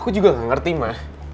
aku juga gak ngerti mah